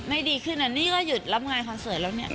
ดีขึ้นนะนี่ก็หยุดรับงานคอนเสิร์ตแล้วเนี่ย